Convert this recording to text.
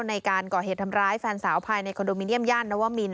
ในการก่อเหตุทำร้ายแฟนสาวภายในคอนโดมิเนียมย่านนวมิน